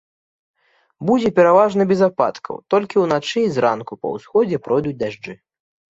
Будзе пераважна без ападкаў, толькі ўначы і зранку па ўсходзе пройдуць дажджы.